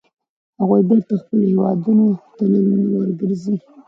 هغوی بېرته خپلو هیوادونو ته نه ورګرځي.